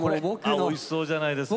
おいしそうじゃないですか。